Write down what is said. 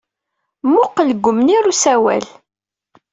Mmuqqel deg umnir n usawal.